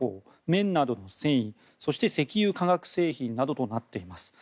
綿などの繊維そして、石油化学製品などとなっています。